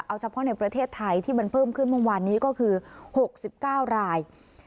เอาเฉพาะในประเทศไทยที่มันเพิ่มขึ้นเมื่อวานนี้ก็คือ๖๙ราย